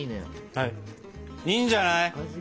いいんじゃない？